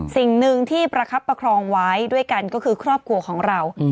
สิ่งหนึ่งที่ประคับประคองไว้ด้วยกันก็คือครอบครัวของเรา